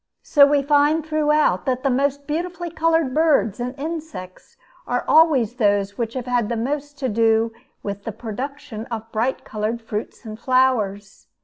So we find throughout that the most beautifully colored birds and insects are always those which have had most to do with the production of bright colored fruits and flowers.